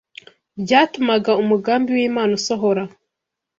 byatumaga umugambi w’Imana usohora